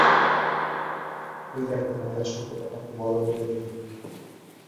ঐ দেখো, তোমরা ছোটো কথাকে বড়ো করে তোল।